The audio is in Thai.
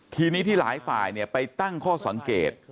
ทีนี้ที่หลายฝ่ายไปตั้งข้อสังเกต